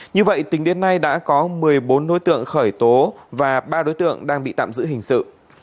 như vậy tính đến nay đã có một mươi bốn đối tượng khởi tố và ba đối tượng đang bị tạm giữ hình sự